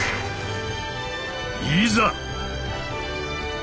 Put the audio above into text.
いざ！